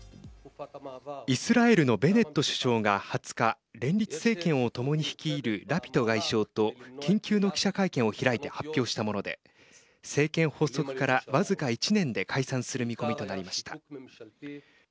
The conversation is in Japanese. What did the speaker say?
イスラエルのベネット首相が２０日連立政権をともに率いるラピド外相と緊急の記者会見を開いて発表したもので政権発足から僅か１年で解散する見込みとなりました。